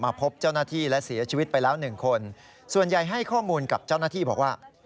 พบเจ้าหน้าที่และเสียชีวิตไปแล้วหนึ่งคนส่วนใหญ่ให้ข้อมูลกับเจ้าหน้าที่บอกว่า